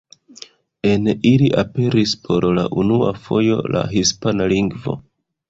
En ili aperis por la unua fojo la hispana lingvo.